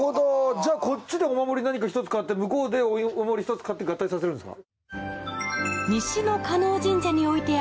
じゃあこっちでお守り何か１つ買って向こうでお守り１つ買って合体させるんですか。